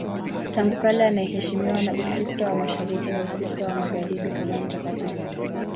Tangu kale anaheshimiwa na Ukristo wa Mashariki na Ukristo wa Magharibi kama mtakatifu.